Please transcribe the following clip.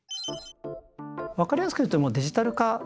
分かりやすく言うとデジタル化ですね。